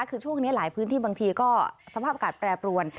คือช่วงนี้หลายพื้นที่บางทีก็สภาพอากาศแปรปรวน